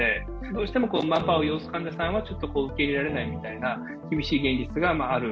どうしてもマンパワーを要する患者さんは、ちょっと受け入れられないみたいな、厳しい現実がある。